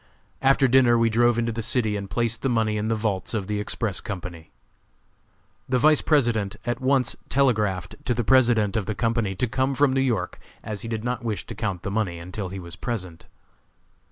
After dinner we drove into the city and placed the money in the vaults of the Express Company. The Vice President at once telegraphed to the President of the company to come from New York, as he did not wish to count the money until he was present.